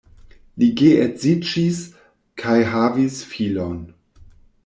Li geedziĝis kaj havis filon.